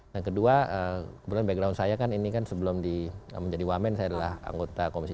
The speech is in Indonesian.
dan kedua kemudian background saya kan ini kan sebelum menjadi wamen saya adalah anggota komisi satu